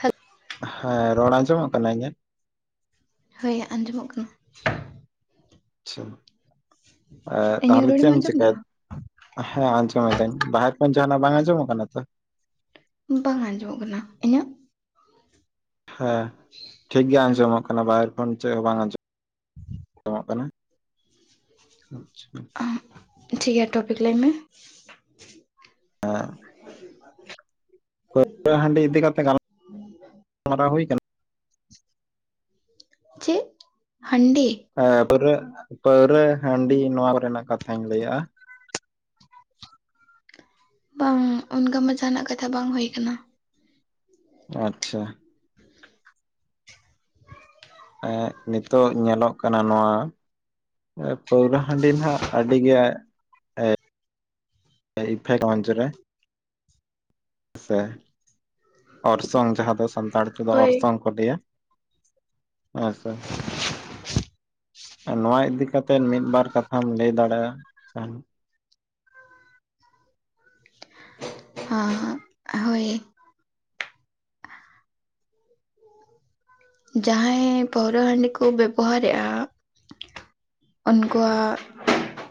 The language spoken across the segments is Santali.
ᱦᱟᱜ ᱦᱮᱸ ᱨᱚᱲ ᱟᱸᱡᱚᱢᱚᱜ ᱠᱟᱱᱟᱹᱤᱧᱟᱹᱜ ᱦᱳᱭ ᱟᱸᱡᱚᱢᱚᱜ ᱠᱟᱱᱟ ᱟᱪᱷᱟ ᱮ ᱤᱧᱟᱹᱜ ᱛᱟᱦᱞᱮ ᱨᱚᱲᱮᱢ ᱪᱮᱫ ᱮᱢ ᱟᱸᱡᱚᱢ ᱮᱫᱟ ᱪᱤᱠᱟᱭ ᱦᱮᱸ ᱟᱸᱡᱚᱢᱫᱟᱹᱧ ᱵᱟᱦᱮᱨ ᱠᱷᱚᱱ ᱡᱟᱦᱱᱟᱜ ᱵᱟᱝ ᱟᱸᱡᱚᱢᱚᱜ ᱠᱟᱱᱟ ᱛᱚ ᱵᱟᱝ ᱟᱸᱡᱚᱢᱚᱜ ᱠᱟᱱᱟ ᱤᱧᱟᱹᱜ ᱦᱮᱸ ᱴᱷᱤᱠ ᱜᱮᱭᱟ ᱟᱧᱡᱚᱢᱚᱠ ᱵᱟᱭᱨ ᱠᱷᱚᱱ ᱪᱮᱫ ᱦᱚᱸ ᱵᱟᱝ ᱟᱸᱡᱚᱢᱸᱡᱚᱢᱚᱜ ᱠᱟᱱᱟ [inaudible] ᱴᱷᱤᱠ ᱜᱮᱭᱟ ᱴᱩᱯᱤᱜ ᱞᱟᱹᱭ ᱢᱮ [inaudible] ᱦᱟᱺᱰᱤ ᱤᱫᱤ ᱠᱟᱛᱮ ᱜᱟᱞ ᱢᱟᱨᱟᱣ ᱦᱩᱭ ᱠᱟᱱᱟ᱾ ᱪᱮᱜ ᱦᱟᱺᱱᱰᱤ᱾ ᱦᱮᱸ ᱯᱟᱹᱨᱟᱹ ᱯᱟᱹᱣᱨᱟᱹ ᱦᱟᱺᱰᱤ ᱱᱚᱣᱟ ᱠᱚ ᱨᱮᱱᱟᱜ ᱠᱟᱛᱷᱟᱧ ᱞᱟᱹᱭᱟᱜ-ᱟ᱾ ᱵᱟᱝ ᱚᱱᱠᱟ ᱢᱟ ᱡᱟᱦᱟ ᱱᱟᱜ ᱠᱟᱛᱷᱟ ᱵᱟᱝ ᱦᱳᱭ ᱠᱟᱱᱟ᱾ ᱟᱪᱪᱷᱟ ᱮᱸᱜ ᱱᱤᱛᱚᱜ ᱧᱮᱞᱚᱜ ᱠᱟᱱᱟ ᱱᱚᱣᱟ᱾ ᱯᱟᱹᱣᱨᱟᱹ ᱦᱟᱺᱰᱤᱱ ᱦᱟᱸᱜ ᱟᱹᱰᱤ ᱜᱮ [inaudible] [unintelligible] ᱨᱮ ᱥᱮ ᱚᱨᱥᱚᱝ ᱡᱟᱦᱟᱸ ᱫᱚ ᱥᱟᱱᱛᱟᱲ ᱛᱮ ᱫᱚ ᱦᱳᱭ ᱚᱨᱥᱚᱝ᱾ [unintelligible] ᱱᱚᱣᱟ ᱤᱫᱤ ᱠᱟᱛᱮᱜ ᱢᱤᱫ ᱵᱟᱨ ᱠᱟᱛᱷᱟᱢ ᱞᱟᱹᱭ ᱫᱟᱲᱮᱭᱟ ᱾ ᱦᱚᱸ ᱦᱳᱭ ᱡᱟᱦᱟᱸᱭ ᱯᱟᱹᱣᱨᱟᱹ ᱦᱟᱺᱰᱤ ᱠᱚ ᱵᱮᱵᱚᱦᱟᱨ ᱮᱜ-ᱟ᱾ ᱚᱱ ᱠᱩᱣᱟᱜ᱾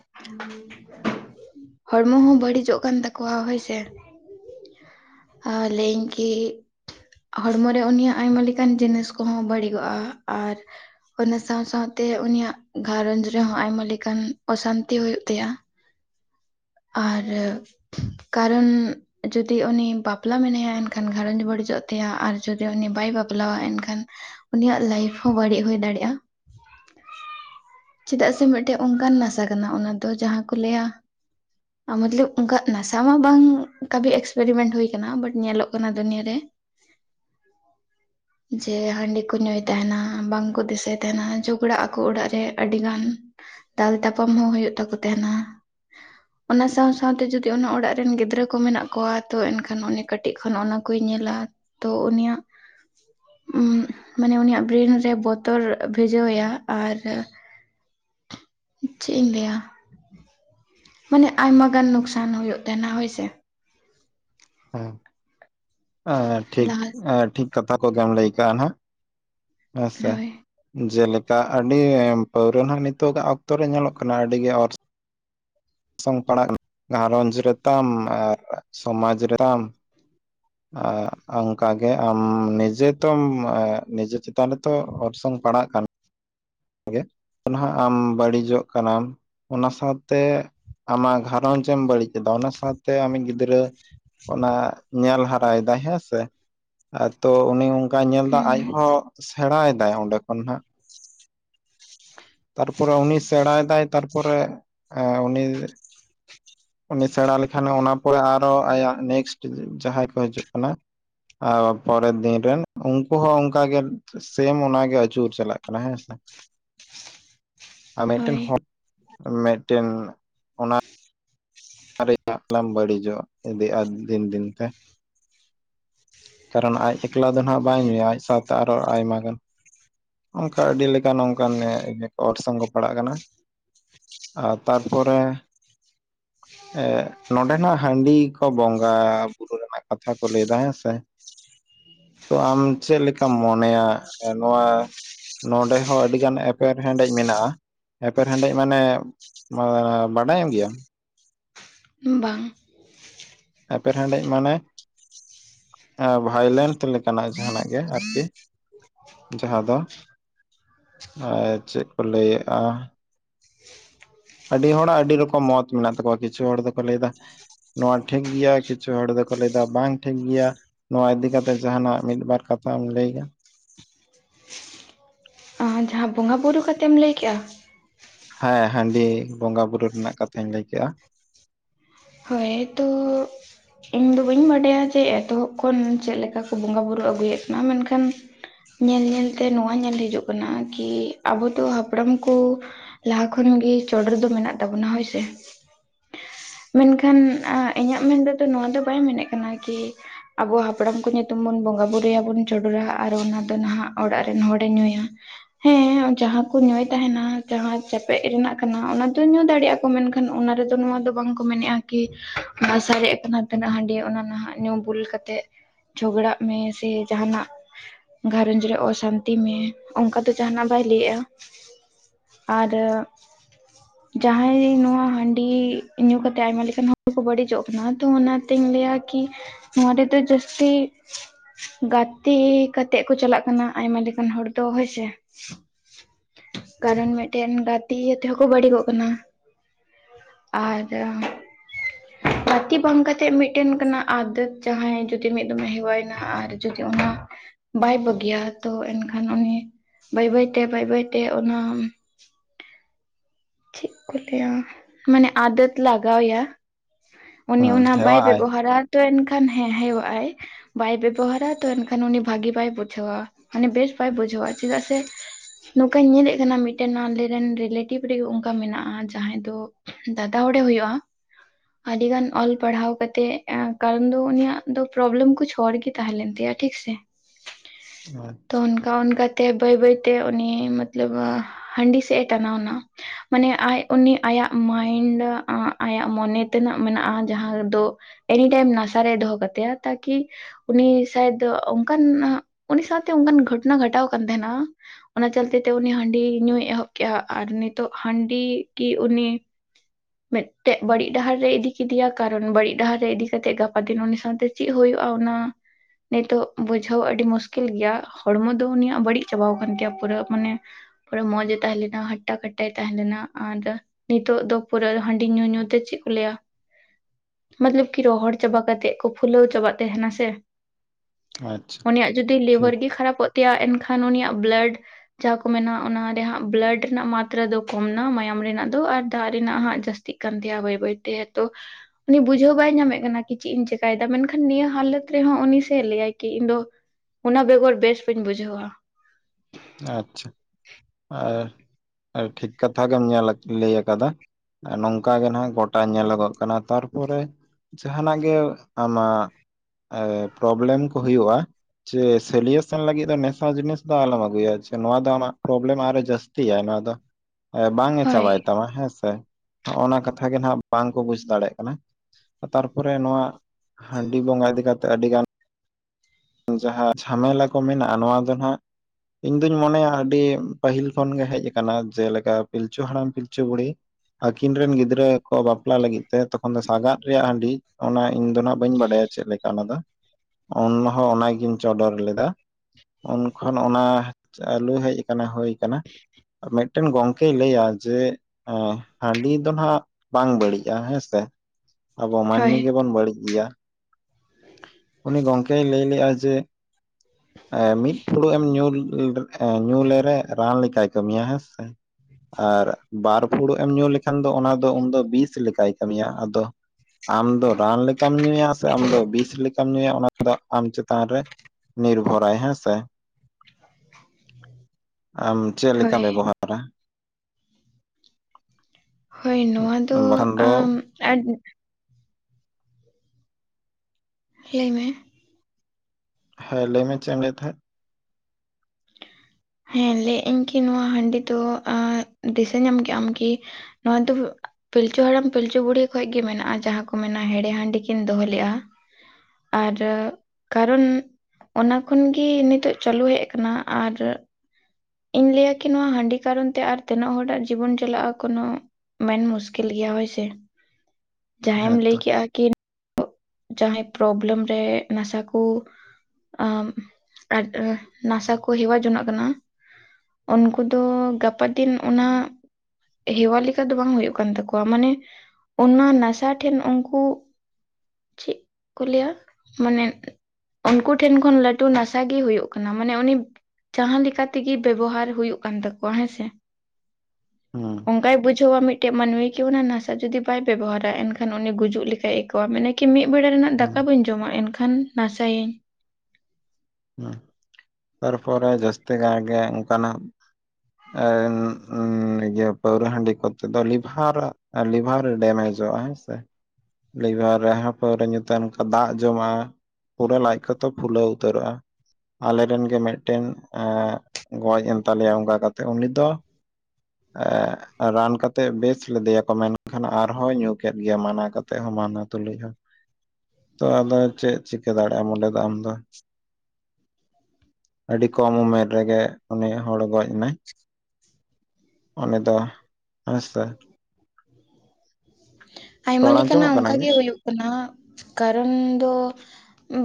[unintelligible] ᱦᱚᱲᱢᱚ ᱦᱚᱸ ᱵᱟᱹᱲᱤ ᱡᱚᱜ ᱠᱟᱱ ᱛᱟᱠᱚᱣᱟ ᱦᱳᱭ ᱥᱮ᱾ ᱟᱨ ᱞᱟᱹᱭᱤᱹᱧ ᱠᱤ᱾ ᱦᱚᱲᱢᱚ ᱨᱮ ᱩᱱᱤᱭᱟᱜ ᱟᱭᱢᱟ ᱞᱮᱠᱟᱱ ᱡᱤᱱᱤᱥ ᱠᱚ ᱦᱚᱸ ᱵᱟᱹᱲᱤ ᱜᱚᱜ-ᱟ ᱟᱨ᱾ ᱚᱱᱟ ᱥᱟᱣ ᱥᱟᱣ ᱛᱮ ᱩᱱᱤᱭᱟᱜ ᱜᱷᱟᱨᱚᱸᱡᱽ ᱨᱮ ᱦᱚᱸ ᱟᱭᱢᱟ ᱞᱮᱠᱟᱱ ᱚᱥᱟᱱᱛᱤ ᱦᱳᱭᱳᱜ ᱛᱟᱭᱟ᱾ ᱟᱨ ᱠᱟᱨᱚᱱ᱾ ᱡᱩᱫᱤ ᱩᱱᱤ ᱵᱟᱯᱞᱟ ᱢᱮᱱᱟᱭᱟ ᱮᱱ ᱠᱷᱟᱱ ᱜᱷᱟᱨᱚᱸᱡᱽ ᱵᱟᱹᱲᱤ ᱡᱚᱜ ᱛᱟᱭᱟ ᱟᱨ ᱡᱩᱫᱤ ᱩᱱᱤ ᱵᱟᱭ ᱵᱟᱯᱞᱟᱣᱟ ᱮᱱ ᱠᱷᱟᱱ᱾ ᱩᱱᱤᱭᱟᱜ ᱞᱟᱭᱤᱯᱷ ᱦᱚᱸ ᱵᱟᱹᱲᱤᱜ ᱦᱳᱭ ᱫᱟᱲᱮᱜ-ᱟ᱾ ᱪᱮᱫᱟᱜ ᱥᱮ ᱢᱮᱜᱴᱮᱜ ᱚᱝᱠᱟᱱ ᱱᱟᱥᱟ ᱠᱟᱱᱟ ᱚᱱᱟ ᱫᱚ ᱡᱟᱦᱟᱸ ᱠᱚ ᱞᱟᱹᱭᱼᱟ᱾ ᱢᱟᱛᱞᱚᱵᱽ ᱚᱝᱠᱟ ᱱᱟᱥᱟ ᱢᱟ ᱵᱟᱝ ᱠᱟᱵᱤ ᱮᱠᱥᱯᱮᱨᱤᱢᱮᱱᱴ ᱦᱩᱭ ᱟᱠᱟᱱᱟ ᱵᱟᱴ ᱧᱮᱞᱚᱜ ᱠᱟᱱᱟ ᱫᱩᱱᱭᱟᱹ ᱨᱮ᱾ [unintelligible] ᱡᱮ ᱦᱟᱺᱰᱤ ᱠᱚ ᱧᱩᱭ ᱛᱟᱦᱮᱱᱟ ᱵᱟᱝ ᱠᱚ ᱫᱤᱥᱟᱹᱭ ᱛᱟᱦᱮᱱᱟ ᱡᱷᱚᱜᱽᱲᱟᱜ ᱟᱠᱚ ᱚᱲᱟᱜ ᱨᱮ᱾ ᱟᱹᱰᱤ ᱜᱟᱱ ᱫᱟᱞ ᱛᱟᱯᱟᱢ ᱦᱚᱸ ᱦᱩᱭᱩᱜ ᱛᱟᱠᱚ ᱛᱟᱦᱮᱸᱱᱟ᱾ [unintelligible] ᱚᱱᱟ ᱥᱟᱣ ᱥᱟᱣ ᱛᱮ ᱡᱩᱫᱤ ᱚᱱᱟ ᱚᱲᱟᱜ ᱨᱮᱱ ᱜᱤᱫᱽᱨᱟᱹ ᱠᱚ ᱢᱮᱱᱟᱜ ᱠᱚᱣᱟ ᱛᱚ ᱮᱱᱠᱷᱟᱱ ᱩᱱᱤ ᱠᱟᱹᱴᱤᱡ ᱠᱷᱚᱱ ᱚᱱᱟ ᱠᱚᱭ ᱧᱮᱞᱟ᱾ ᱛᱚ ᱩᱱᱤᱭᱟᱜ᱾ ᱩᱸ ᱢᱟᱱᱮ ᱩᱱᱤᱭᱟᱜ ᱵᱨᱮᱱ ᱨᱮ ᱵᱚᱛᱚᱨ ᱵᱷᱤᱡᱟᱹ ᱟᱭᱟ ᱟᱨ᱾ ᱪᱮᱜ ᱤᱧ ᱞᱟᱹᱭᱼᱟ᱾ ᱢᱟᱱᱮ ᱟᱭᱢᱟ ᱜᱟᱱ ᱱᱳᱠᱥᱟᱱ ᱦᱳᱭᱳᱜ ᱛᱮᱦᱮᱱᱟ ᱦᱳᱭ ᱥᱮ᱾ ᱩᱸ ᱮᱻ ᱴᱷᱤᱠ ᱞᱟᱦᱟ ᱮᱻ ᱴᱷᱤᱠ ᱠᱟᱛᱷᱟ ᱠᱚᱜᱮᱢ ᱞᱟᱹᱭ ᱠᱟᱜ-ᱟᱱ ᱦᱟᱸᱜ᱾ ᱦᱮᱸ ᱥᱮ᱾ ᱦᱳᱭ ᱡᱮᱞᱮᱠᱟ ᱟᱹᱰᱤ ᱯᱟᱹᱣᱨᱟᱹ ᱦᱚᱸ ᱱᱤᱛᱚ ᱜᱟᱜ ᱚᱠᱛᱚ ᱨᱮ ᱧᱮᱞᱚᱜ ᱠᱟᱱᱟ ᱟᱹᱰᱤ ᱜᱮ [inaudible] ᱥᱚᱝ ᱯᱟᱲᱟᱜ [inaudible] ᱜᱷᱟᱨᱚᱸᱡᱽ ᱨᱮ ᱛᱟᱢ ᱟᱨ ᱥᱚᱢᱟᱡᱽ ᱨᱮ ᱛᱟᱢ᱾ ᱟᱸᱜ ᱚᱝᱠᱟ ᱜᱮ ᱟᱢ ᱱᱤᱡᱮ ᱛᱚᱢ ᱟᱸᱜ ᱱᱤᱡᱮ ᱪᱮᱛᱟᱱ ᱨᱮ ᱛᱚ ᱚᱨᱥᱚᱝ ᱯᱟᱲᱟᱜ ᱠᱟᱱ᱾ ᱜᱮ ᱚᱱᱟ ᱦᱚᱸ ᱟᱢ ᱵᱟᱹᱲᱤ ᱡᱚᱜ ᱠᱟᱱᱟᱢ ᱚᱱᱟ ᱥᱟᱣ ᱛᱮ᱾ ᱟᱢᱟᱜ ᱜᱷᱟᱨᱚᱸᱡᱽ ᱮᱢ ᱵᱟᱹᱲᱤᱡ ᱮᱫᱟ ᱚᱱᱟ ᱥᱟᱣ ᱛᱮ ᱟᱢ ᱤᱡ ᱜᱤᱫᱽᱨᱟᱹ᱾ ᱚᱱᱟ ᱧᱮᱞ ᱦᱟᱨᱟᱭ ᱫᱟᱭ ᱦᱮᱸ ᱥᱮ ᱟᱫᱚ ᱩᱱᱤ ᱩᱝ᱾ ᱠᱟᱭ ᱧᱮᱞ ᱫᱟ ᱦᱩᱸ ᱟᱡ ᱦᱚᱸ ᱥᱮᱬᱟᱭ ᱫᱟᱭ ᱚᱸᱰᱮ ᱠᱷᱚᱱ ᱦᱟᱸᱜ᱾ ᱛᱟᱨ ᱯᱚᱨᱮ ᱩᱱᱤ ᱥᱮᱲᱟᱭ ᱫᱟᱭ ᱛᱟᱨ ᱯᱚᱨᱮ ᱦᱮᱸ ᱩᱱᱤ᱾ ᱩᱱᱤ ᱥᱮᱲᱟ ᱞᱮᱠᱷᱟᱱᱮ ᱚᱱᱟ ᱯᱚᱨᱮ ᱟᱨᱚ ᱟᱭᱟᱜ ᱱᱮᱠᱥᱴ ᱡᱟᱦᱟᱸᱭ ᱠᱚ ᱦᱤᱡᱩᱜ ᱠᱟᱱᱟ᱾ ᱟᱻᱚ ᱯᱚᱨᱮᱨ ᱫᱤᱱ ᱨᱮᱱ ᱩᱝᱠᱩ ᱦᱚᱸ ᱚᱝᱠᱟ ᱜᱮ ᱥᱮᱢ ᱚᱱᱟ ᱜᱮ ᱟᱹᱪᱩᱨ ᱪᱟᱞᱟᱜ ᱠᱟᱱᱟ ᱦᱮᱸ ᱥᱮ᱾ ᱟᱨ ᱢᱮᱜᱴᱮᱱ ᱦᱳᱭ ᱦᱚᱲ ᱢᱮᱜᱴᱮᱱ [unintelligible] [unintelligible] ᱵᱟᱹᱲᱤᱡᱚᱜ ᱤᱫᱤᱜ-ᱟ ᱫᱤᱱ ᱫᱤᱱ ᱛᱮ ᱠᱟᱨᱚᱱ ᱟᱡ ᱮᱠᱞᱟ ᱫᱚ ᱦᱟᱸᱜ ᱵᱟᱭ ᱧᱩᱭᱟ, ᱟᱡ ᱥᱟᱶᱛᱮ ᱟᱨᱚ ᱟᱭᱢᱟ ᱜᱟᱱ ᱚᱝᱠᱟ ᱟᱹᱰᱤ ᱞᱮᱠᱟᱱ ᱚᱱᱠᱟᱱ, ᱚᱨᱥᱚᱝ ᱠᱚ ᱯᱟᱲᱟᱜ ᱠᱟᱱᱟ᱾ ᱟᱨ ᱛᱟᱨᱯᱚᱨᱮ ᱮᱜ, ᱱᱚᱸᱰᱮᱱᱟᱜ ᱦᱟᱺᱰᱤ ᱠᱚ ᱵᱚᱸᱜᱟ ᱵᱩᱨᱩ ᱨᱮᱱᱟᱜ ᱠᱟᱛᱷᱟ ᱠᱚ ᱞᱟᱹᱭᱫᱟ ᱦᱮᱸᱥᱮ? ᱛᱚ ᱟᱢ ᱪᱮᱫ ᱞᱮᱠᱟᱢ ᱢᱚᱱᱮᱭᱟ ᱱᱚᱶᱟ? ᱱᱚᱰᱮ ᱦᱚᱸ ᱟᱹᱰᱤᱜᱟᱱ ᱮᱯᱮᱨ ᱦᱮᱸᱰᱮᱡ ᱢᱮᱱᱟᱜᱼᱟ᱾ ᱮᱯᱮᱨ ᱦᱮᱰᱮᱡ ᱢᱟᱱᱮ ᱟ ᱵᱟᱰᱟᱭᱟᱢ ᱜᱮᱭᱟᱢ? ᱵᱟᱝ᱾ ᱮᱯᱮᱨ ᱦᱮᱰᱮᱡ ᱢᱟᱱᱮ, ᱮᱸ ᱵᱷᱟᱭᱞᱮᱱᱼᱼ ᱡᱚᱛᱮ ᱞᱮᱠᱟᱱᱟᱜ ᱡᱟᱦᱟᱱᱟᱜ ᱜᱮ ᱟᱨᱠᱤ, ᱡᱟᱦᱟᱸ ᱫᱚ ᱟᱨ ᱪᱮᱫ ᱠᱚ ᱞᱟᱹᱭᱮᱫᱼᱟ᱾ ᱟᱹᱰᱤ ᱦᱚᱲᱟᱜ ᱟᱹᱰᱤ ᱨᱚᱠᱚᱢ ᱢᱚᱛ ᱢᱮᱱᱟᱜ ᱛᱟᱠᱚᱣᱟ, ᱠᱤᱪᱷᱩ ᱦᱚᱲ ᱫᱚᱠᱚ ᱞᱟᱹᱭᱫᱟ᱾ ᱱᱚᱣᱟ ᱴᱷᱤᱠ ᱜᱮᱭᱟ, ᱠᱤᱪᱷᱩ ᱦᱚᱲ ᱫᱚᱠᱚ ᱞᱟᱹᱭᱫᱟ ᱵᱟᱝ ᱴᱷᱤᱠ ᱜᱮᱭᱟ᱾ ᱱᱚᱶᱟ ᱤᱫᱤᱠᱟ ᱠᱟᱛᱮᱜ, ᱡᱟᱦᱟᱸᱱᱟᱜ ᱢᱤᱫᱵᱟᱨ ᱠᱟᱛᱷᱟᱢ ᱞᱟᱹᱭᱟ? ᱟ ᱡᱟᱦᱟᱸ ᱵᱚᱸᱜᱟᱼ ᱵᱩᱨᱩ ᱠᱟᱛᱮᱢ ᱞᱟᱹᱭ ᱠᱮᱜᱼᱟ? ᱦᱮᱸ, ᱦᱟᱺᱰᱤ ᱵᱚᱸᱜᱟ ᱵᱩᱨᱩ ᱨᱮᱱᱟᱜ ᱠᱟᱛᱷᱟᱧ ᱞᱟᱹᱭ ᱠᱮᱜᱼᱟ᱾ ᱦᱳᱭ ᱛᱳ ᱤᱧᱫᱚ ᱵᱟᱹᱧ ᱵᱟᱰᱟᱭᱟ, ᱡᱮ ᱮᱛᱚᱦᱚᱵ ᱠᱷᱚᱱ ᱪᱮᱫ ᱞᱮᱠᱟ ᱠᱚ ᱵᱚᱸᱜᱟᱼᱵᱩᱨᱩ ᱟᱹᱜᱩᱭᱮᱫ ᱠᱟᱱᱟ, ᱢᱮᱱᱠᱷᱟᱱ ᱧᱮᱞ ᱧᱮᱞᱛᱮ ᱱᱚᱣᱟ ᱧᱮᱞ ᱦᱤᱡᱩᱜ ᱠᱟᱱᱟ ᱠᱤ ᱟᱵᱚ ᱫᱚ ᱦᱟᱯᱲᱟᱢ ᱠᱚᱼᱼ ᱞᱟᱦᱟ ᱠᱷᱚᱱᱜᱮ ᱪᱚᱰᱚᱨ ᱫᱚ ᱢᱮᱱᱟᱜ ᱛᱟᱵᱚᱱᱟ, ᱦᱳᱭᱥᱮ? ᱢᱮᱱᱠᱷᱟᱱ ᱤᱧᱟᱹᱜ ᱢᱮᱱᱛᱮᱫᱚ, ᱱᱚᱣᱟ ᱫᱚ ᱵᱟᱭ ᱢᱮᱱᱮᱫ ᱠᱟᱱᱟ ᱠᱤ ᱟᱵᱚ ᱦᱟᱯᱲᱟᱢ ᱠᱚ ᱧᱩᱛᱩᱢ ᱵᱚᱱ ᱵᱚᱸᱜᱟ ᱵᱩᱨᱩᱭᱟᱵᱚᱱ, ᱪᱚᱰᱚᱨᱟ ᱟᱨ ᱚᱱᱟ ᱫᱚ ᱱᱟᱦᱟᱜ ᱚᱲᱟᱜ ᱨᱮᱱ ᱦᱚᱲᱮ ᱧᱩᱭᱟ᱾ ᱦᱮᱸ ᱡᱟᱦᱟᱸ ᱠᱚ ᱧᱩᱭ ᱛᱟᱦᱮᱱᱟ, ᱡᱟᱦᱟᱸ ᱪᱟᱯᱮᱜ ᱨᱮᱱᱟᱜ ᱠᱟᱱᱟ ᱚᱱᱟ ᱫᱚ ᱧᱩ ᱫᱟᱲᱮᱜᱼᱟ᱾ ᱠᱚ ᱢᱮᱱᱠᱷᱟᱱ ᱚᱱᱟ ᱨᱮᱫᱚ, ᱱᱚᱣᱟ ᱫᱚ ᱵᱟᱝ ᱢᱮᱱᱮᱫᱼᱟ ᱠᱤ ᱵᱟ ᱥᱟᱨᱮᱡ ᱠᱟᱱᱟ, ᱛᱤᱱᱟᱹᱜ ᱦᱺᱰᱤ ᱚᱱᱟ ᱱᱟᱦᱟᱜ ᱧᱩ ᱵᱩᱞ ᱠᱟᱛᱮᱜ ᱡᱷᱚᱜᱽᱲᱟᱜ ᱢᱮ ᱥᱮ ᱡᱟᱦᱱᱟᱜ ᱜᱷᱟᱸᱟᱨᱚᱸᱧᱡᱽ ᱨᱮ ᱚᱥᱟᱱᱛᱤ ᱢᱮ, ᱚᱱᱠᱟ ᱫᱚ ᱡᱟᱦᱟᱱᱟᱜ ᱵᱟᱭ ᱞᱟᱹᱭᱮᱜᱼᱟ᱾ ᱟᱨ ᱡᱟᱦᱟᱸᱭ ᱱᱚᱶᱟ ᱦᱟᱺᱰᱤ ᱧᱩ ᱠᱟᱛᱮ ᱟᱭᱢᱟ ᱞᱮᱠᱟᱱ ᱦᱚᱲ ᱠᱚ ᱵᱟᱹᱲᱤᱡᱚᱜ ᱠᱟᱱᱟ, ᱛᱚ ᱚᱱᱟᱛᱤᱧ ᱞᱟᱹᱭᱟ ᱠᱤ ᱱᱚᱶᱟ ᱨᱮᱫᱚ ᱡᱟᱹᱥᱛᱤ ᱜᱟᱛᱮ ᱠᱟᱛᱮᱜ ᱠᱚ ᱪᱟᱞᱟᱜ ᱠᱟᱱᱟ, ᱟᱭᱢᱟ ᱞᱮᱠᱟᱱ ᱦᱚᱲ ᱫᱚ ᱦᱳᱭᱥᱮ? ᱠᱟᱨᱚᱱ ᱢᱤᱫᱴᱮᱱ ᱜᱟᱛᱮ ᱤᱭᱟᱹ ᱛᱮᱦᱚᱸᱠᱚ ᱵᱟᱹᱲᱤᱜᱚᱜ ᱠᱟᱱᱟ᱾ ᱟᱨ ᱜᱟᱛᱮ ᱵᱟᱝ ᱠᱟᱛᱮᱫ ᱢᱤᱫᱴᱮᱱ ᱚᱝᱠᱟᱱᱟ ᱟᱫᱚᱛ ᱡᱟᱦᱟᱸᱭ ᱡᱩᱫᱤ ᱢᱤᱫ ᱫᱚᱢᱮ ᱦᱮᱣᱟᱭᱮᱱᱟ, ᱟᱨ ᱡᱩᱫᱤ ᱚᱱᱟ ᱵᱟᱭ ᱵᱟᱹᱜᱤᱭᱟ ᱛᱚ ᱮᱱᱠᱷᱟᱱ ᱩᱱᱤ ᱵᱟᱹᱭ ᱵᱟᱹᱭ ᱛᱮ ᱵᱟᱹᱭ ᱵᱟᱹᱭ ᱛᱮ ᱚᱱᱟᱢ ᱪᱮᱫ ᱠᱚ ᱞᱟᱹᱭᱟ, ᱢᱟᱱᱮ ᱟᱫᱚᱛ ᱞᱟᱜᱟᱣᱭᱟ᱾ ᱩᱱᱤ ᱦᱮᱸ ᱚᱱᱟ ᱵᱟᱭ ᱦᱮᱣᱟᱜᱼᱟᱭ ᱵᱮᱵᱚᱦᱟᱨᱟ ᱛᱚ, ᱮᱱᱠᱷᱟᱱ ᱦᱮᱸ ᱦᱮᱣᱭᱟᱜᱼᱟᱭ᱾ ᱵᱟᱭ ᱵᱮᱵᱚᱦᱟᱨᱟ ᱛᱚ, ᱮᱱᱠᱷᱟᱱ ᱩᱱᱤ ᱵᱷᱟᱹᱜᱤ ᱵᱟᱭ ᱵᱩᱡᱷᱟᱹᱣᱟ, ᱢᱟᱱᱮ ᱵᱮᱥ ᱵᱟᱭ ᱵᱩᱡᱷᱟᱹᱣᱟ ᱪᱮᱫᱟᱜ ᱥᱮ ᱱᱚᱝᱠᱟᱧ ᱧᱮᱞᱮᱫ ᱠᱟᱱᱟ, ᱢᱤᱫᱴᱮᱱ ᱟᱞᱮᱨᱮᱱ ᱨᱤᱞᱮᱴᱤᱵᱷ ᱨᱮᱜᱮ ᱚᱱᱠᱟ ᱢᱮᱱᱟᱜᱼᱟ ᱡᱟᱦᱟᱸᱭ ᱫᱚ ᱫᱟᱫᱟ ᱦᱟᱲᱮ ᱦᱳᱭᱳᱜᱼᱟ᱾ ᱟᱹᱰᱤ ᱜᱟᱱ ᱚᱞ ᱯᱟᱲᱦᱟᱣ ᱠᱟᱛᱮᱜ, ᱮᱸ ᱠᱟᱨᱚᱱ ᱫᱚ ᱩᱱᱤᱭᱟᱜ ᱫᱚ ᱯᱨᱚᱵᱞᱮᱢ ᱠᱩᱪ ᱚᱨᱜᱮ ᱛᱟᱦᱮᱸ ᱞᱮᱱ ᱛᱟᱭᱟ ᱴᱷᱤᱠ ᱥᱮ᱾ ᱟᱪ ᱛᱚ ᱚᱱᱠᱟ ᱚᱱᱠᱟᱛᱮ ᱵᱟᱹᱭ ᱵᱟᱹᱭᱛᱮ ᱩᱱᱤ ᱢᱚᱛᱞᱚᱵ ᱦᱟᱺᱰᱤ ᱥᱮᱫ ᱮ ᱴᱟᱱᱟᱣ ᱮᱱᱟ ᱢᱟᱱᱮ ᱟᱡ ᱩᱱᱤ ᱟᱭᱟᱜ ᱢᱟᱭᱤᱱᱰ ᱟᱸᱜ ᱟᱭᱟᱜ ᱢᱚᱱᱮ ᱛᱮᱱᱟᱜ ᱢᱮᱱᱟᱜᱼᱟ ᱡᱟᱦᱟᱸ ᱫᱚ ᱮᱱᱤᱴᱟᱭᱤᱢ ᱱᱟᱥᱟᱨᱮ ᱫᱚᱦᱚ ᱠᱟᱛᱟᱭᱟ ᱛᱟᱠᱤ ᱩᱱᱤ ᱥᱟᱭᱫᱚ ᱚᱝᱠᱟᱱ ᱩᱱᱤ ᱥᱟᱶᱛᱮ ᱚᱝᱠᱟᱱ ᱜᱷᱚᱴᱚᱱᱟ ᱜᱷᱚᱴᱟᱣ ᱠᱟᱱ ᱛᱟᱦᱮᱱᱟ, ᱚᱱᱟ ᱪᱟᱞᱛᱮᱛᱮ ᱩᱱᱤ ᱦᱟᱺᱰᱤ ᱧᱩᱭ ᱮᱦᱚᱵ ᱠᱮᱫᱮᱜᱼᱟ, ᱟᱨ ᱱᱤᱛᱚᱜ ᱦᱟᱺᱰᱤ ᱠᱤ ᱩᱱᱤ ᱢᱮᱫᱼᱼ ᱛᱮᱜ ᱵᱟᱲᱤᱡ ᱰᱟᱦᱟᱨ ᱨᱮ ᱤᱫᱤ ᱠᱮᱫᱮᱭᱟ ᱠᱟᱨᱚᱱ ᱵᱟᱲᱤᱡ ᱰᱟᱦᱟᱨ ᱨᱮ ᱤᱫᱤ ᱠᱟᱛᱮᱜ ᱜᱟᱯᱟ ᱫᱤᱱ ᱩᱱᱤ ᱥᱟᱶᱛᱮ ᱪᱮᱫ ᱦᱩᱭᱩᱜᱭᱼᱟ, ᱚᱱᱟ ᱱᱤᱛᱚᱜ ᱵᱩᱡᱷᱟᱹᱣ ᱟᱹᱰᱤ ᱢᱩᱥᱠᱤᱞ ᱜᱮᱭᱟ ᱦᱚᱲᱢᱚ ᱫᱚ ᱩᱱᱤᱭᱟᱜ ᱵᱟᱹᱲᱤᱡ ᱪᱟᱵᱟᱣ ᱟᱠᱟᱱ ᱛᱟᱭᱟ ᱯᱩᱨᱟᱹ ᱢᱟᱱᱮ ᱯᱩᱨᱟᱹ ᱢᱚᱡᱽ ᱮ ᱛᱟᱦᱮᱸ ᱞᱮᱮᱱᱟ ᱦᱟᱴᱟ ᱠᱟᱴᱟᱭ ᱛᱟᱦᱮᱸ ᱞᱮᱱᱟ ᱟᱨ ᱱᱤᱛᱚᱜ ᱫᱚ ᱯᱩᱨᱟᱹ ᱦᱟᱺᱱ ᱰᱤ ᱧᱩ ᱧᱩ ᱛᱮ ᱪᱮᱫ ᱠᱚ ᱞᱟᱹᱭᱟ ᱢᱚᱛᱞᱚᱵ ᱠᱤ ᱨᱚᱦᱚᱲ ᱪᱟᱵᱟ ᱠᱟᱛᱮᱜ ᱠᱚ ᱯᱷᱩᱞᱟᱹᱣ ᱪᱟᱵᱟᱜ ᱛᱟᱦᱮᱱᱟ ᱥᱮ, ᱟᱪᱪᱷᱟ ᱩᱱᱤᱭᱟᱜ ᱡᱩᱫᱤ ᱞᱤᱵᱷᱟ. ᱴᱷᱤᱠ ᱨ ᱜᱮ ᱠᱷᱟᱨᱟᱯᱚᱜ ᱛᱟᱭᱟ ᱮᱱᱠᱷᱟᱱ ᱩᱱᱤᱭᱟᱜ ᱵᱞᱟᱰ ᱡᱟᱦᱟᱸ ᱠᱚ ᱢᱮᱱᱟ ᱚᱱᱟᱨᱮ ᱦᱟᱸᱜ ᱵᱞᱟᱰ ᱨᱮᱱᱟᱜ ᱢᱟᱛᱨᱟ ᱫᱚ ᱠᱚᱢ ᱱᱟ ᱢᱟᱭᱟᱢ ᱨᱮᱱᱟᱜ ᱫᱚ ᱟᱨ ᱫᱟᱜ ᱨᱮᱱᱟᱜ ᱦᱟᱸᱜ ᱡᱟᱹᱥ ᱛᱤᱠ ᱠᱟᱱ ᱛᱟᱭᱟ ᱵᱟᱹᱭ ᱵᱟᱹᱭ ᱛᱮ ᱛᱚ, ᱩᱱᱤ ᱵᱩᱡᱷᱟᱹᱣ ᱵᱟᱭ ᱧᱟᱢᱮᱜ ᱠᱟᱱᱟ ᱠᱤ ᱪᱮᱫ ᱤᱧ ᱪᱮᱠᱟᱹᱭᱮᱫᱟ ᱢᱮᱱᱠᱷᱟᱱ ᱱᱤᱭᱟᱹ ᱦᱟᱞᱚᱛ ᱨᱮᱦᱚᱸ ᱩᱱᱤ ᱥᱮ ᱞᱟᱹᱭᱟᱭ ᱠᱤ ᱤᱧ ᱫᱚ ᱚᱱᱟ ᱵᱮᱜᱚᱨ ᱵᱮᱥ ᱵᱟᱹᱧ ᱵᱩᱡᱷᱟᱹᱣᱟ᱾ ᱟᱪᱪᱷᱟ ᱟᱨ ᱴᱷᱤᱠ ᱠᱟᱛᱷᱟ ᱜᱮᱢ ᱧᱮᱞ ᱞᱟᱹᱭ ᱟᱠᱟᱫᱟ᱾ ᱱᱚᱝᱠᱟ ᱜᱮ ᱱᱟᱜ ᱜᱚᱴᱟ ᱧᱮᱞᱚᱜᱚᱜ ᱠᱟᱱᱟ ᱛᱟᱨᱯᱚᱨᱮ ᱡᱟᱦᱟᱱᱟᱜ ᱜᱮ ᱟᱢᱟᱜ ᱟᱨ ᱯᱨᱚᱵᱞᱮᱢ ᱠᱚ ᱦᱩᱭᱩᱜᱼᱟ, ᱡᱮ ᱥᱚᱞᱤᱭᱚᱥᱚᱱ ᱞᱟᱹᱜᱤᱫ ᱫᱚ ᱱᱮᱥᱟ ᱡᱤᱱᱤᱥ ᱫᱚ ᱟᱞᱚᱢ ᱟᱹᱜᱩᱭᱟ ᱱᱚᱣᱟ ᱫᱚ ᱟᱢᱟᱜ ᱯᱨᱚᱵᱞᱮᱢ ᱟᱨ ᱦᱚᱸ ᱡᱟ. ᱥᱛᱤᱭᱟ ᱱᱚᱣᱟ ᱫᱚ ᱵᱟᱝ ᱮ ᱪᱟᱵᱟᱭ ᱦᱳᱭ, ᱛᱟᱢᱟ ᱦᱮᱸ ᱥᱮ, ᱦᱚᱸᱜ ᱱᱚᱣᱟ ᱠᱟᱛᱷᱟ ᱜᱮ ᱱᱟᱜ ᱵᱟᱝᱠᱚ ᱵᱩᱡᱽ ᱫᱟᱲᱮᱭᱟᱜ ᱠᱟᱱᱟ, ᱛᱟᱨᱯᱚᱨᱮ ᱱᱚᱣᱟ ᱦᱟᱺᱰᱤ ᱵᱚᱸᱜᱟ ᱤᱫᱤ ᱠᱟᱛᱮ ᱟᱹᱰᱤ ᱜᱟᱱ ᱡᱟᱦᱟᱸ ᱡᱷᱟᱢᱮᱞᱟ ᱠᱚ ᱢᱮᱱᱟᱜᱼᱟ, ᱱᱚᱣᱟ ᱫᱚ ᱱᱟᱜ ᱤᱧ ᱫᱩᱧ ᱢᱚᱱᱮᱭᱟ ᱟᱹᱰᱤ ᱯᱟᱹᱦᱤᱞ ᱠᱷᱚᱱᱜ ᱜᱮ ᱦᱮᱡ ᱟᱠᱟᱱᱟ, ᱡᱮᱞᱮᱠᱟ ᱯᱤᱞᱪᱩ ᱦᱟᱲᱟᱢ ᱯᱤᱞᱪᱩ ᱵᱩᱲᱦᱤ ᱟᱹᱠᱤᱱ ᱨᱮᱱ ᱜᱤᱫᱽᱨᱟᱹ ᱠᱚ ᱵᱟᱯᱞᱟ ᱞᱟᱹᱜᱤᱫ ᱛᱮ ᱛᱚᱠᱷᱚᱱ ᱫᱚ ᱥᱟᱜᱟᱫ ᱨᱮᱭᱟᱜ ᱦᱟᱺᱰᱤ ᱚᱱᱟ ᱤᱧ ᱫᱚ ᱱᱟᱜ ᱵᱟᱹᱧ ᱵᱟᱰᱟᱭᱟ ᱪᱮᱫ ᱠᱟᱱᱟ ᱚᱱᱟ ᱫᱚ, ᱩᱱ ᱦᱚᱸ ᱚᱱᱟᱠᱤᱧ ᱪᱚᱰᱚᱨ ᱞᱮᱫᱟ, ᱩᱱ ᱠᱷᱚᱱ ᱚᱱᱟ ᱪᱟᱹᱞᱩ ᱦᱮᱡ ᱟᱠᱟᱱᱟ ᱦᱩᱭ ᱠᱟᱱᱟ᱾ ᱢᱤᱫᱴᱮᱱ ᱜᱚᱝᱠᱮᱭ ᱞᱟᱹᱭᱟᱭ ᱡᱮ ᱦᱟᱺᱰᱤ ᱫᱚ ᱱᱟᱜ ᱵᱟᱝ ᱵᱟᱹᱲᱤᱡᱼᱟ ᱦᱮᱸ ᱥᱮ, ᱟᱵᱚ ᱢᱟᱹᱱᱢᱤ ᱦᱳᱭ, ᱜᱮᱵᱚᱱ ᱵᱟᱹᱲᱤᱡ ᱜᱮᱭᱟ᱾ ᱩᱱᱤ ᱜᱚᱝᱠᱮ ᱞᱟᱹᱭ ᱞᱮᱫᱼᱟ, ᱡᱮ ᱢᱤᱫ ᱯᱷᱩᱲᱩᱜ ᱮᱢ ᱧᱩᱨ ᱦᱮᱸ ᱧᱩ ᱞᱮᱨᱮ ᱨᱟᱱ ᱞᱮᱠᱟᱭ ᱠᱟᱹᱢᱤᱭᱟ ᱦᱮᱸᱥᱮ᱾ ᱟᱨ ᱵᱟᱨ ᱯᱷᱩᱲᱩᱜ ᱮᱢ ᱧᱩ ᱞᱮᱠᱷᱟᱱ ᱫᱚ, ᱚᱱᱟ ᱫᱚ ᱩᱱᱫᱚ ᱵᱤᱥ ᱞᱮᱠᱟᱭ ᱠᱟᱹᱢᱤᱭᱟ ᱟᱫᱚ ᱟᱢᱫᱚ ᱨᱟᱱ ᱞᱮᱠᱟᱢ ᱧᱩᱭᱟ ᱥᱮ ᱟᱢᱫᱚ ᱵᱤᱥ ᱪᱷᱤ ᱞᱮᱠᱟᱢ ᱧᱩᱭᱟ ᱚᱱᱟ ᱚᱫᱚ ᱫᱚ ᱟᱢ ᱪᱮᱛ ᱛᱟᱱ ᱨᱮ ᱱᱤᱨᱵᱷᱚᱨᱟᱭ ᱦᱮᱸᱥᱮ ᱟᱢ ᱪᱮᱫ ᱦᱳᱭ, ᱞᱮᱠᱟᱢ ᱵᱮᱵᱚᱦᱟᱨᱟ ᱦᱳᱭ ᱱᱚᱣᱟ ᱫᱚ ᱵᱟᱠᱷᱟᱱ ᱫᱚ ᱟᱢ ᱟ. ᱰ ᱞᱟᱹᱭᱢᱮ ᱦᱮᱸ ᱞᱟᱹᱭ ᱢᱮ ᱪᱮᱫ ᱮᱢ ᱞᱟ. ᱭᱮᱫ ᱛᱟᱦᱮᱸᱜ ᱦᱮᱸ ᱞᱟᱹᱭᱮᱫ ᱟᱹᱧ ᱠᱤ ᱱᱚᱣᱟ ᱦᱟᱺᱰᱤ ᱫᱚ, ᱟᱡ ᱫᱤᱥᱟᱹ ᱧᱟᱢ ᱠᱮᱜ ᱟᱢ ᱠᱤ? ᱱᱚᱣᱟ ᱫᱚ ᱯᱤᱞᱪᱩ ᱦᱟᱲᱟᱢ ᱯᱤᱞᱪᱩ ᱵᱩᱲᱦᱤ ᱠᱷᱚᱱᱚᱡ ᱜᱮ ᱢᱮᱱᱟᱜᱼᱟ ᱡᱟᱦᱟᱸ ᱠᱚ ᱢᱮᱱᱟ ᱦᱮᱲᱮ ᱦᱟᱺᱰᱤ ᱠᱤᱱ ᱫᱚᱦᱚ ᱞᱮᱫᱼᱟ᱾ ᱟᱨ ᱠᱟᱨᱚᱱ ᱚᱱᱟ ᱠᱷᱚᱱ ᱜᱤ ᱱᱤᱛᱚᱜ ᱪᱟᱹᱞᱩ ᱦᱮᱡ ᱠᱟᱱᱟ᱾ ᱟᱨ ᱤᱧ ᱞᱟᱹᱭᱟ ᱠᱤ ᱱᱚᱣᱟ ᱦᱟᱺᱰᱤ ᱠᱟᱨᱚᱱ ᱛᱮ ᱟᱨ ᱛᱤᱱᱟᱹᱜ ᱦᱚᱲᱟᱜ ᱡᱤᱵᱚᱱ ᱪᱟᱞᱟᱜᱼᱟ ᱠᱳᱱᱦᱚ᱾ ᱢᱮᱱ ᱢᱩᱥᱠᱤᱞ ᱜᱮᱭᱟ ᱦᱮᱸᱥᱮ᱾ [unintelligible] ᱡᱟᱸᱦᱭᱮᱢ ᱞᱟᱹᱭ ᱛᱚ ᱠᱮᱜᱼᱟ ᱠᱤ ᱡᱟᱸᱦᱟᱭ ᱯᱨᱚᱵᱞᱮᱢ ᱨᱮ ᱱᱟᱥᱟ ᱠᱚ᱾ ᱟ ᱱᱟᱥᱟ ᱠᱚ ᱦᱮᱣᱟ ᱡᱚᱱᱟᱜ ᱠᱟᱱᱟ᱾ ᱩᱱᱠᱩ ᱫᱚ ᱜᱟᱯᱟ ᱫᱤᱱ ᱚᱱᱟ᱾ ᱦᱮᱣᱟ ᱞᱮᱠᱟ ᱫᱚ ᱵᱟᱝ ᱦᱩᱭᱩᱜ ᱠᱟᱱ ᱛᱟᱠᱚᱣᱟ ᱢᱟᱱᱮ᱾ ᱚᱱᱟ ᱱᱟᱥᱟ ᱴᱷᱮᱱ ᱩᱱᱠᱩ᱾ ᱪᱮᱫ ᱠᱚ ᱞᱟᱹᱭᱟ ᱢᱟᱱᱮ᱾ ᱩᱱᱠᱩ ᱴᱷᱮᱱ ᱠᱷᱚᱱ ᱞᱟᱹᱴᱩ ᱱᱟᱥᱟᱤ ᱦᱩᱭᱩᱜ ᱠᱟᱱᱟ ᱢᱟᱱᱮ ᱩᱱᱤ ᱡᱟᱦᱟᱸ ᱞᱮᱠᱟ᱾ ᱛᱤᱜᱮ ᱵᱮᱵᱚᱦᱟᱨ ᱦᱩᱭᱩᱜ ᱠᱟᱱ ᱛᱟᱠᱚᱣᱟ ᱦᱮᱸᱥᱮ ᱦᱩᱸ ᱚᱱᱠᱟᱭ ᱵᱩᱡᱷᱟᱹᱣᱟ ᱢᱤᱫ᱾ ᱢᱤᱴᱮᱡ ᱢᱟᱹᱱᱢᱤ ᱠᱤ ᱚᱱᱟ ᱱᱟᱥᱟ ᱡᱩᱫᱤ ᱵᱟᱭ ᱵᱮᱵᱚᱦᱟᱨ ᱟ ᱮᱱᱠᱷᱟᱱ ᱩᱱᱤ ᱜᱩᱡᱩᱜ ᱞᱮᱠᱟᱭ ᱟᱹᱭ᱾ [inaudible] ᱢᱮᱱᱮ ᱠᱤ ᱢᱤᱫ ᱵᱮᱲᱟ ᱨᱮᱱᱟᱜ ᱦᱩᱸ ᱫᱟᱠᱟ ᱵᱟᱹᱧ ᱡᱚᱢᱟ ᱮᱱᱠᱷᱟᱱ ᱱᱟᱥᱟᱭᱤᱧ᱾ ᱩᱸ ᱛᱟᱨᱯᱚᱨᱮ ᱡᱟᱹᱥᱛᱤ ᱠᱟᱭ ᱜᱮ ᱚᱱᱠᱟᱱᱟᱜ᱾ ᱮᱸ ᱩᱻ ᱤᱭᱟᱹ ᱯᱟᱹᱣᱨᱟ ᱦᱟᱺᱰᱤ ᱠᱚᱛᱮ ᱫᱚ ᱞᱤᱵᱷᱟᱨ᱾ ᱟᱨ ᱞᱤᱵᱷᱟᱨ ᱰᱮᱢᱮᱡᱚᱜᱼᱟ ᱦᱮᱸ ᱥᱮ᱾ ᱞᱤᱵᱷᱟᱨ ᱨᱮ ᱦᱚᱸ ᱯᱟᱺᱣᱨᱟᱹ ᱧᱩ ᱛᱮ ᱚᱱᱠᱟ ᱫᱟᱜ ᱡᱚᱢᱟᱼᱟ᱾ ᱯᱩᱨᱟᱹ ᱞᱟᱡ ᱠᱚᱛᱚ ᱯᱷᱩᱞᱟᱹᱣ ᱩᱛᱟᱹᱨᱚᱜᱼᱟ᱾ ᱟᱞᱮᱨᱮᱱ ᱜᱮ ᱢᱮᱫᱴᱮᱱ ᱮᱸ ᱜᱚᱡ ᱮᱱ ᱛᱟᱞᱮ ᱟᱭ ᱚᱱᱠᱟ ᱠᱟᱛᱮᱜ ᱩᱱᱤ ᱫᱚ᱾ [unintelligible] ᱮᱸ ᱨᱟᱱ ᱠᱟᱛᱮ ᱵᱮᱥ ᱞᱮᱫᱮᱭᱟᱠᱚ ᱢᱮᱱᱠᱷᱟᱱ ᱟᱨᱦᱚᱸᱭ ᱧᱩ ᱠᱮᱫ ᱜᱮᱭᱟ ᱢᱟᱱᱟ ᱠᱟᱛᱮᱜ ᱦᱚᱸ ᱢᱟᱱᱟ ᱛᱩᱞᱩᱡ ᱦᱚᱸ᱾ ᱛᱚ ᱟᱫᱚ ᱪᱮᱫ ᱪᱤᱠᱟᱹ ᱫᱟᱲᱮᱜ ᱟᱢ ᱚᱸᱰᱮ ᱫᱚ ᱟᱢ ᱫᱚ᱾ ᱟᱹᱰᱤ ᱠᱚᱢ ᱩᱢᱮᱨ ᱨᱮᱜᱮ ᱩᱱᱤ ᱦᱚᱲ ᱜᱚᱡ ᱱᱟᱭ᱾ ᱩᱱᱤ ᱫᱚ ᱦᱮᱸ ᱥᱮ᱾ ᱟᱭᱢᱟ ᱨᱚᱲ ᱞᱤᱠᱟᱱᱟᱜ ᱟᱸᱡᱚᱢᱚᱜ ᱠᱟᱱᱟ ᱚᱱᱠᱟ ᱤᱧᱟᱹᱜ ᱜᱮ ᱦᱩᱭᱩᱜ ᱠᱟᱱᱟ ᱠᱟᱨᱚᱱ ᱫᱚ᱾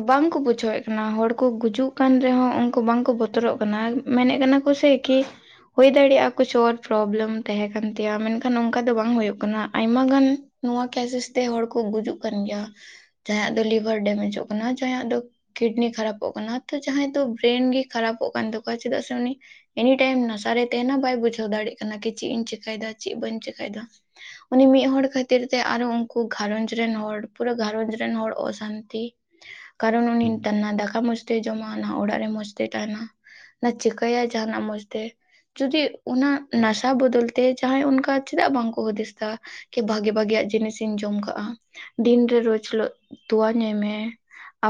ᱵᱟᱝᱠᱚ ᱵᱩᱡᱷᱟᱹᱣᱮᱜ ᱠᱟᱱᱟ ᱦᱚᱲ ᱠᱚ ᱜᱩᱡᱩᱜ ᱠᱟᱱ ᱨᱮᱦᱚᱸ ᱩᱱᱠᱩ ᱵᱟᱝᱠᱚ ᱵᱚᱛᱚᱨᱚᱜ ᱠᱟᱱᱟ᱾ ᱢᱮᱱᱮᱜ ᱠᱟᱱᱟ ᱠᱚ ᱥᱮᱹᱭ ᱠᱤ᱾ ᱦᱳᱭ ᱫᱟᱲᱮᱭᱟᱜᱼᱟ ᱠᱩᱪ ᱚᱨ ᱯᱨᱚᱵᱞᱮᱢ ᱛᱟᱦᱮᱸ ᱠᱟᱱ ᱛᱟᱭᱟ ᱢᱮᱱᱠᱷᱟᱱ ᱱᱚᱝᱠᱟ ᱫᱚ ᱵᱟᱝ ᱦᱳᱭᱳᱜ ᱠᱟᱱᱟ ᱟᱭᱢᱟ ᱜᱟᱱ᱾ ᱱᱚᱣᱟ ᱠᱮᱥᱮᱥ ᱛᱮ ᱦᱚᱲ ᱠᱚ ᱜᱩᱡᱩᱜ ᱠᱟᱱ ᱜᱤᱭᱟ ᱡᱟᱦᱟᱸᱭᱟᱜ ᱫᱚ ᱞᱤᱵᱷᱟᱨ ᱰᱮᱢᱮᱡᱚᱜ ᱠᱟᱱᱟ ᱡᱟᱦᱟᱸᱭᱟᱜ ᱫᱚ᱾ ᱠᱤᱰᱱᱤ ᱠᱷᱟᱨᱟᱯᱚᱜ ᱠᱟᱱᱟ ᱛᱚ ᱡᱟᱦᱟᱸᱭ ᱫᱚ ᱵᱮᱨᱮᱱ ᱜᱮ ᱠᱷᱟᱨᱟᱯᱚᱜ ᱠᱟᱱ ᱛᱟᱠᱚᱣᱟ ᱪᱮᱫᱟᱜ ᱥᱮ ᱩᱱᱤ᱾ ᱮᱱᱤ ᱴᱟᱭᱤᱢ ᱱᱟᱥᱟ ᱨᱮ ᱛᱟᱦᱮᱸᱱᱟ ᱵᱟᱭ ᱵᱩᱡᱷᱟᱹᱣ ᱫᱟᱲᱮᱜ ᱠᱟᱱᱟ ᱠᱤ ᱪᱤᱜ ᱤᱧ ᱪᱮᱠᱟᱹᱭᱫᱟ ᱪᱮᱜ ᱵᱟᱹᱧ ᱪᱮᱠᱟᱹᱭᱫᱟ᱾ ᱩᱱᱤ ᱢᱤᱜ ᱦᱚᱲ ᱠᱷᱟᱹ ᱛᱤᱨ ᱛᱮ ᱟᱨᱚ ᱩᱱᱠᱩ ᱜᱷᱟᱨᱚᱸᱡᱽ ᱨᱮᱱ ᱦᱚᱲ ᱯᱩᱨᱟᱹ ᱜᱷᱟᱨᱚᱸᱡᱽ ᱨᱮᱱ ᱦᱚᱲ ᱚᱥᱟᱱᱛᱤ᱾ ᱠᱟᱨᱚᱱ ᱩᱱᱤ ᱱᱮᱛᱟᱨ ᱱᱟ ᱫᱟᱠᱟ ᱢᱚᱸᱡᱽᱛᱮ ᱡᱚᱢᱟ ᱱᱟ ᱚᱲᱟᱜ ᱨᱮ ᱢᱚᱸᱡᱽ ᱛᱮ ᱛᱟᱦᱮᱱᱟ᱾ ᱪᱤᱠᱟᱹᱭ ᱟᱭ ᱡᱟᱸᱦᱟᱱᱟᱜ ᱢᱚᱡᱽ ᱛᱮ᱾ ᱡᱩᱫᱤ ᱚᱱᱟ ᱱᱟᱥᱟ ᱵᱚᱫᱚᱞ ᱛᱮ ᱡᱟᱦᱟᱸᱭ ᱚᱱᱠᱟ ᱪᱮᱫᱟᱜ ᱵᱟᱝᱠᱚ ᱦᱩᱫᱤᱥ ᱫᱟ ᱠᱤ ᱵᱷᱟᱹ ᱵᱷᱟᱜᱤ ᱵᱷᱟᱜᱤᱭᱟᱜ ᱡᱤᱱᱤᱥ ᱤᱧ ᱡᱚᱢ ᱠᱟᱜᱼᱟ ᱫᱤᱱᱨᱮ ᱨᱳᱡ ᱦᱤᱞᱳᱜ ᱛᱚᱣᱟ ᱧᱩᱭ ᱢᱮ᱾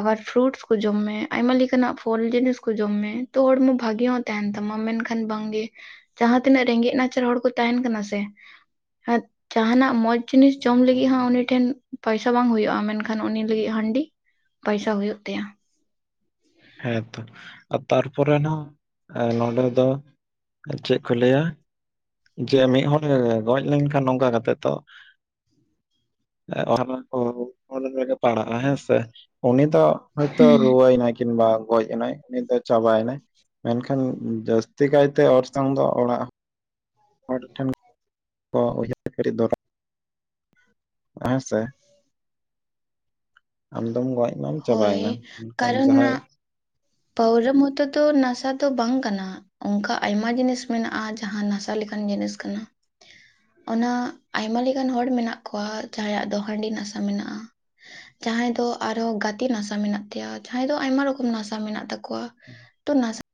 ᱟᱵᱟᱨ ᱯᱷᱩᱨᱩᱴᱥ ᱠᱚ ᱡᱚᱢ ᱢᱮ ᱟᱭᱢᱟ ᱞᱮᱠᱟᱱᱟᱜ ᱯᱷᱚᱞ ᱡᱤᱱᱤᱥ ᱠᱩ ᱡᱚᱢ ᱢᱮ ᱛᱚ ᱦᱚᱲᱢᱚ ᱵᱷᱟᱜᱤ ᱦᱚᱸ᱾ ᱛᱟᱦᱮᱱ ᱛᱟᱢᱟ ᱢᱮᱱᱠᱷᱟᱱ ᱵᱟᱝᱜᱮ ᱡᱟᱦᱟᱸ ᱛᱤᱱᱟᱹᱜ ᱨᱮᱸᱜᱮᱡ ᱱᱟᱪᱟᱨ ᱦᱚᱲ ᱠᱚ ᱛᱟᱦᱮᱱ ᱠᱟᱱᱟ ᱥᱮ᱾ [inaudible] ᱡᱟᱦᱟᱸᱱᱟᱜ ᱢᱚᱪ᱾ ᱡᱤᱱᱤᱥ ᱡᱚᱢ ᱞᱟᱹᱜᱤᱜ ᱦᱚᱸ ᱩᱱᱤ ᱴᱷᱮᱱ ᱯᱚᱭᱥᱟ ᱵᱟᱝ ᱦᱩᱭᱩᱜᱼᱟ ᱢᱮᱱᱠᱷᱟᱱ ᱩᱱᱤ ᱞᱟᱹᱜᱤᱜ ᱦᱟᱺᱰᱤ᱾ ᱯᱟᱭᱥᱟ ᱦᱩᱭᱩᱜ ᱛᱟᱭᱟ᱾ ᱦᱮᱸᱛᱚ ᱟᱨ ᱛᱟᱨᱯᱚᱨᱮ ᱱᱟ ᱦᱚᱸ ᱱᱚᱰᱮ ᱫᱚ ᱪᱮᱜ ᱠᱚ ᱞᱟᱹᱭᱟ? ᱡᱮ ᱢᱤᱫ ᱦᱚᱲ ᱮ ᱜᱚᱡ ᱞᱮᱱᱠᱷᱟᱱ ᱱᱚᱝᱠᱟ ᱠᱟᱛᱮᱜ ᱛᱚ [unintelligible] ᱚᱱᱠᱟ ᱠᱚ ᱯᱟᱲᱟᱜᱼᱟ ᱦᱮᱸ ᱥᱮ ᱩᱱᱤ ᱛᱚ ᱦᱳᱭᱛᱚ ᱦᱮᱸ ᱨᱩᱣᱟᱹᱭᱱᱟᱭ ᱠᱤᱝᱵᱟ ᱜᱚᱡ ᱮᱱᱟᱭ ᱩᱱᱤ ᱫᱚ ᱪᱟᱵᱟᱭ ᱱᱟᱭ, ᱢᱮᱱᱠᱷᱟᱱ ᱡᱟᱹᱥᱛᱤ ᱠᱟᱭᱛᱮ ᱚᱨᱥᱚᱝ ᱫᱚ ᱚᱲᱟᱜ ᱦᱚᱲ ᱴᱷᱮᱱ ᱠᱚ ᱩᱭᱦᱟᱹᱨ ᱠᱟᱹᱴᱤ ᱫᱚᱨᱟ ᱦᱮᱸ ᱥᱮ ᱟᱢᱫᱢ ᱜᱚᱡ ᱱᱟᱢ ᱦᱳᱭ ᱪᱟᱵᱟᱭᱱᱟᱢ ᱢᱮᱱᱠᱷᱟᱱ ᱡᱟᱦᱟᱸᱭ ᱯᱟᱺᱣᱨᱟ ᱢᱚᱛᱚ ᱫᱚ ᱱᱟᱥᱟ ᱫᱚ ᱵᱟᱝ ᱠᱟᱱᱟ, ᱚᱝᱠᱟ ᱟᱭᱢᱟ ᱡᱤᱱᱤᱥ ᱢᱮᱱᱟᱜ-ᱟ ᱡᱟᱦᱟᱸ ᱱᱟᱥᱟ ᱞᱮᱠᱟᱱ ᱡᱤᱱᱤᱥ ᱠᱟᱱᱟ᱾ ᱚᱱᱟ ᱟᱭᱢᱟ ᱞᱤᱠᱟᱱ ᱦᱚᱲ ᱢᱮᱱᱟᱜ ᱠᱚᱣᱟ ᱡᱟᱦᱟᱸᱭᱟᱜ ᱫᱚ ᱦᱟᱺᱰᱤ ᱱᱟᱥᱟ ᱢᱮᱱᱟᱜ-ᱟ᱾ ᱡᱟᱦᱟᱸᱭ ᱫᱚ ᱟᱨᱦᱚᱸ ᱜᱟᱹᱛᱤ ᱱᱟᱥᱟ ᱢᱮᱱᱟᱜ ᱛᱟᱭᱟ ᱡᱟᱦᱟᱸᱭ ᱫᱚ ᱟᱭᱢᱟ ᱨᱚᱠᱚᱢ ᱱᱟᱥ ᱛᱟ ᱢᱮᱱᱟᱜ ᱛᱟᱠᱚᱣᱟ ᱛᱚ ᱱᱟ